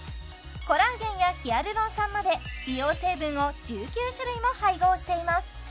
コラーゲンやヒアルロン酸まで美容成分を１９種類も配合しています